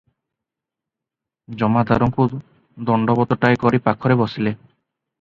ଜମାଦାରଙ୍କୁ ଦଣ୍ଡବତଟାଏ କରି ପାଖରେ ବସିଲେ ।